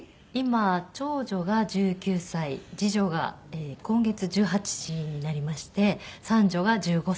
今長女が１９歳次女が今月１８になりまして三女は１５歳です。